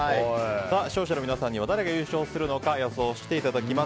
視聴者の皆さん誰が優勝するのか予想していただきます。